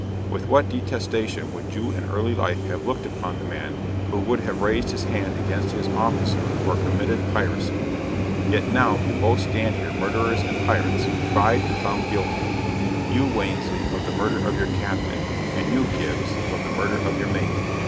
With what detestation would you in early life have looked upon the man who would have raised his hand against his officer, or have committed piracy! yet now you both stand here murderers and pirates, tried and found guilty you Wansley of the murder of your Captain, and you, Gibbs, of the murder of your Mate.